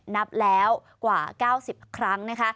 นับแล้วกว่า๙๐ครั้ง